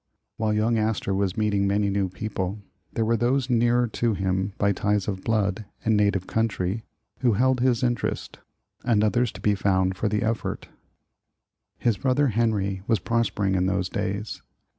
While young Astor was meeting many new people, there were those nearer to him by ties of blood and na tive country, who held his interest, and others to be found for the effort. 68 New York a Little City His brother Henry was prospering in these days.